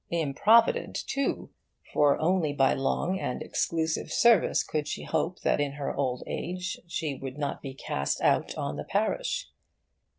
Improvident, too; for only by long and exclusive service could she hope that in her old age she would not be cast out on the parish.